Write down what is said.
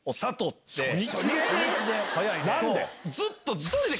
何で？